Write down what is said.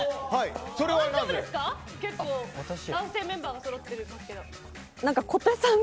結構、男性メンバーがそろっているんですが。